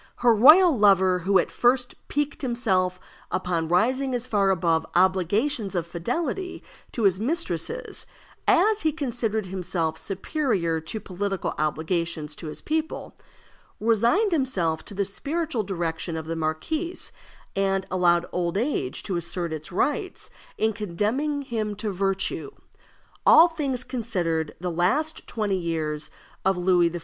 Her royal lover, who at first piqued himself upon rising as far above obligations of fidelity to his mistresses as he considered himself superior to political obligations to his people, resigned himself to the spiritual direction of the marquise, and allowed old age to assert its rights in condemning him to virtue. All things considered, the last twenty years of Louis XIV.'